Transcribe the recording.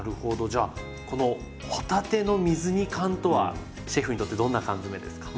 じゃあこの帆立ての水煮缶とはシェフにとってどんな缶詰ですか？